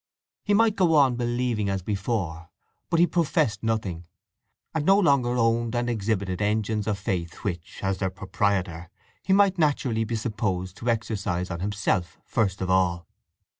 He might go on believing as before, but he professed nothing, and no longer owned and exhibited engines of faith which, as their proprietor, he might naturally be supposed to exercise on himself first of all.